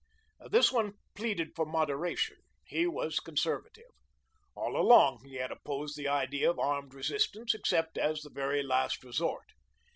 This one pleaded for moderation. He was conservative. All along he had opposed the idea of armed resistance except as the very last resort.